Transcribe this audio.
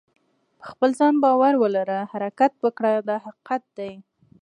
په خپل ځان باور ولره حرکت وکړه دا حقیقت دی.